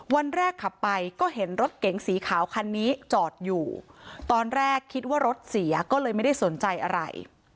วันแรกขับไปก็เห็นรถเก๋งสีขาวคันนี้จอดอยู่ตอนแรกคิดว่ารถเสียก็เลยไม่ได้สนใจอะไร